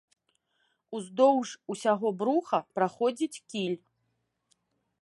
Уздоўж усяго бруха праходзіць кіль.